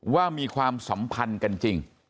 มีความสัมพันธ์กันจริง